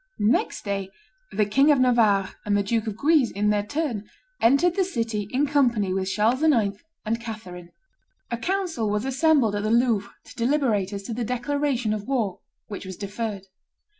Next day the King of Navarre and the Duke of Guise, in their turn, entered the city in company with Charles IX. and Catherine. A council was assembled at the Louvre to deliberate as to the declaration of war, which was deferred.